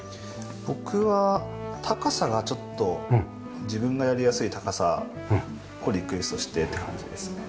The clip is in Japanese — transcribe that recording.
僕は高さがちょっと自分がやりやすい高さをリクエストしてって感じですね。